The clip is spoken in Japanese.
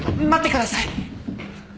待ってください。